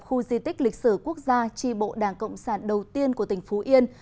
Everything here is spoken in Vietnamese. khu di tích lịch sử quốc gia tri bộ đảng cộng sản đầu tiên của tỉnh phú yên